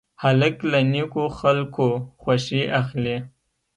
هلک له نیکو خلکو خوښي اخلي.